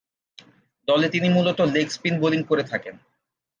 দলে তিনি মূলতঃ লেগ স্পিন বোলিং করে থাকেন।